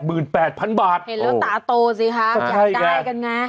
เห็นแล้วตาโตซิค่ะอยากได้กันไง